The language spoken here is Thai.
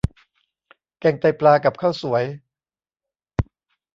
แกงไตปลากับข้าวสวย